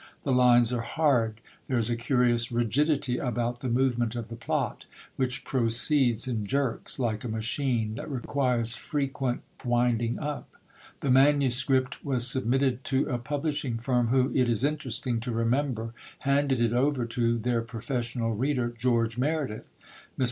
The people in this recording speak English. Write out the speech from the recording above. The lines are hard; there is a curious rigidity about the movement of the plot which proceeds in jerks, like a machine that requires frequent winding up. The manuscript was submitted to a publishing firm, who, it is interesting to remember, handed it over to their professional reader, George Meredith. Mr.